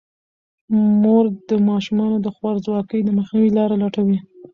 مور د ماشومانو د خوارځواکۍ د مخنیوي لارې لټوي.